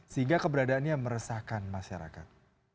sehingga keberadaannya meresahkan masyarakat